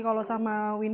kalau sama windy